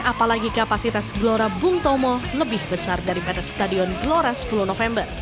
apalagi kapasitas gelora bung tomo lebih besar daripada stadion gelora sepuluh november